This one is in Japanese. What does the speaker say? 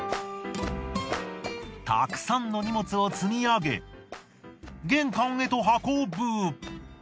たくさんの荷物を積み上げ玄関へと運ぶ。